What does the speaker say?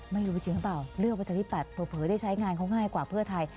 ไม่รู้จริงหรือเปล่าเลือกประชาธิปัตย์เผลอได้ใช้งานเขาง่ายกว่าเพื่อไทย